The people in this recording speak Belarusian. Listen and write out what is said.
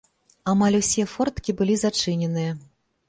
Амаль усе форткі былі зачыненыя.